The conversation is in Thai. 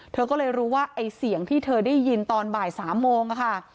เธอก็เลยรู้ว่าไอ้เสียงที่เธอได้ยินตอนบ่าย๓โมงค่ะ